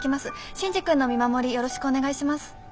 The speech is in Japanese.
真治君の見守りよろしくお願いします。